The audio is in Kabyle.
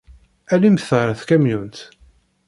Alimt ɣer tkamyunt!